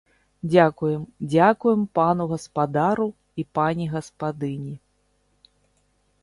Дзякуем, дзякуем пану гаспадару і пані гаспадыні!